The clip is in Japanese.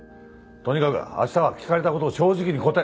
とにかく明日は聞かれた事を正直に答え。